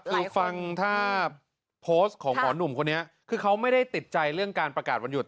คือฟังถ้าโพสต์ของหมอหนุ่มคนนี้คือเขาไม่ได้ติดใจเรื่องการประกาศวันหยุ